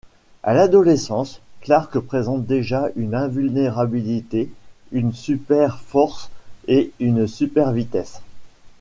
À l'adolescence, Clark présente déjà une invulnérabilité, une super force et une super vitesse.